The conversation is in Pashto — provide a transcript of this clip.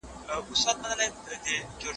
زه اوږده وخت لوښي وچوم وم؟!